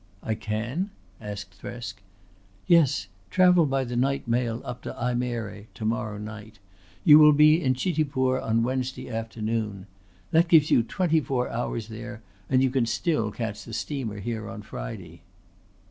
"I can?" asked Thresk. "Yes. Travel by the night mail up to Ajmere tomorrow night. You will be in Chitipur on Wednesday afternoon. That gives you twenty four hours there, and you can still catch the steamer here on Friday."